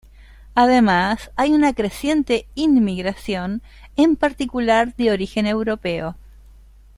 Además hay una creciente inmigración, en particular de origen europeo.